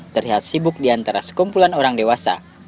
terlihat sibuk di antara sekumpulan orang dewasa